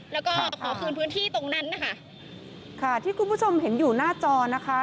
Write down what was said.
แล้วก็ขอคืนพื้นที่ตรงนั้นนะคะค่ะที่คุณผู้ชมเห็นอยู่หน้าจอนะคะ